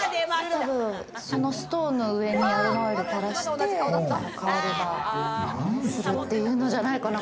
そのストーンの上にアロマオイルを垂らして、香りがするっていうのじゃないかな、